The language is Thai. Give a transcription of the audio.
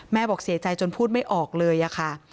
บอกเสียใจจนพูดไม่ออกเลยอะค่ะ